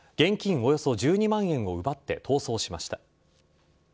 およそ１２万円を奪って逃走しました。